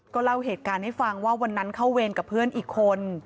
เล่าเหตุการณ์ให้ฟังว่าวันนั้นเข้าเวรกับเพื่อนอีกคน